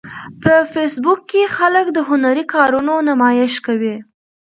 په فېسبوک کې خلک د هنري کارونو نمایش کوي